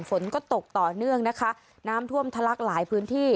ฝนก็ตกต่อเนื่องนะคะน้ำท่วมทะลักหลายพื้นที่